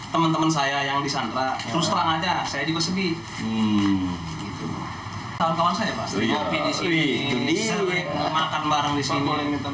kawan kawan saya pasti kopi disini makan bareng disini